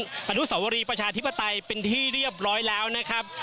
อนุสวรีประชาธิปไตยเป็นที่เรียบร้อยแล้วนะครับ